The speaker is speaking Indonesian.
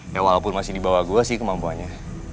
ya walaupun masih dibawa gue sih kemampuannya